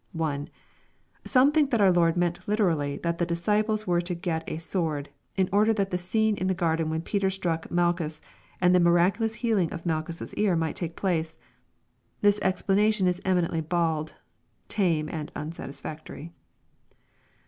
1. Some think that our Lord meant hterally that the disciples were to get a sword, in order that the scene in the garden when Peter struck Malchus, and the miraculous healing of Mal chus's ear, might take place. This explanation is eminently bald, tame, and unsatisfactory.